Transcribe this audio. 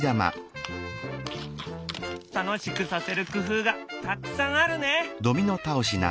楽しくさせる工夫がたくさんあるね！